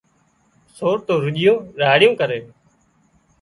سور تو رُڄيون راڙيون ڪري